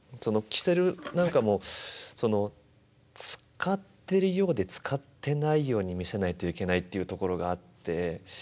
きせるなんかも使ってるようで使ってないように見せないといけないっていうところがあって。